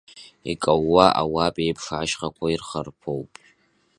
Икаууа ауапеиԥш ашьхақәа ирхарԥоуп.